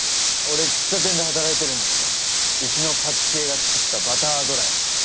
俺喫茶店で働いてるんだけどうちのパティシエが作ったバターどら焼き。